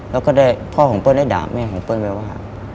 แล้วก็พ่อของเปิ้ลได้ด่าแม่ของเปิ้ลไปว่า